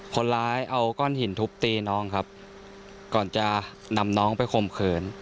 คนร้ายเอาก้อนหินทุบตีน้องครับก่อนจะนำน้องไปข่มขืน